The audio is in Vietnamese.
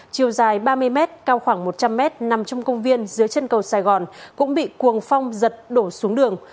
chiều dài ba mươi m cao khoảng một trăm linh mét nằm trong công viên dưới chân cầu sài gòn cũng bị cuồng phong giật đổ xuống đường